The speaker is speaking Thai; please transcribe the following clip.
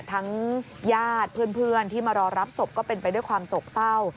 ญาติเพื่อนที่มารอรับศพก็เป็นไปด้วยความโศกเศร้า